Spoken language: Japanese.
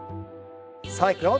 さあいくよ。